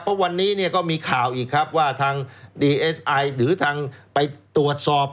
เพราะวันนี้เนี่ยก็มีข่าวอีกครับว่าทางดีเอสไอหรือทางไปตรวจสอบ